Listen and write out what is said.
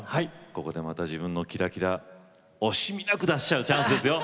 ここで、また自分のキラキラを惜しみなく出しちゃうチャンスですよ！